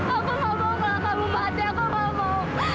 aku gak mau kak kamu mati aku gak mau